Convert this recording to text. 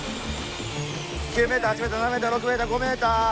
９ｍ８ｍ７ｍ６ｍ５ｍ４ｍ。